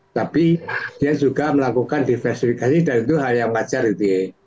tapi dia juga melakukan diversifikasi dan itu hal yang wajar gitu ya